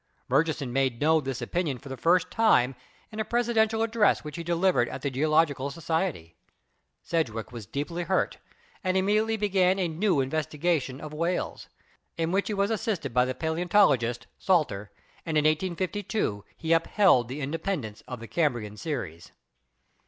Murchison made known this opinion for the first time in a presidential ad dress which he delivered at the Geological Socity. Sedg wick was deeply hurt and immediately began a new investi gation of Wales, in which he was assisted by the paleon tologist, Salter, and in 1852 he upheld the independence of the Cambrian series.